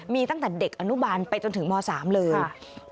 มีตั้งแต่เด็กอนุบาลไปจนถึงม๓เลย